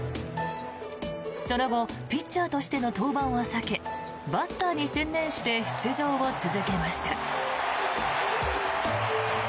その後ピッチャーとしての登板は避けバッターに専念して出場を続けました。